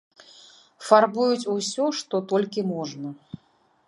Фарбуюць усё, што толькі можна.